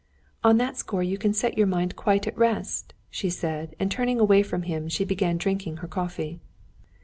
"On that score you can set your mind quite at rest," she said, and turning away from him, she began drinking her coffee.